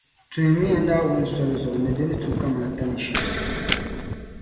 Tuhimi ya Naawuni soli zuɣu ni di ni tu kamaata ni shεm.